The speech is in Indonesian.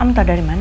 kamu tau dari mana